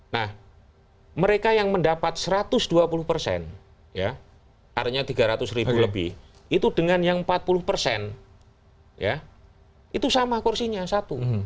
nah mereka yang mendapat rp satu ratus dua puluh harganya rp tiga ratus lebih itu dengan yang rp empat puluh itu sama kursinya satu